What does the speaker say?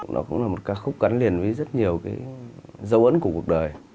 nó cũng là một ca khúc gắn liền với rất nhiều cái dấu ấn của cuộc đời